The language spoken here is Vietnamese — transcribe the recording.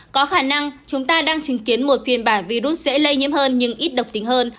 có khả năng chúng ta đang chứng kiến một phiên bản virus dễ lây nhiễm hơn nhưng ít độc tính hơn